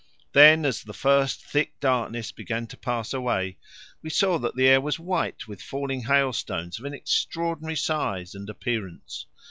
Then as the first thick darkness began to pass away, we saw that the air was white with falling hailstones of an extraordinary size and appearance.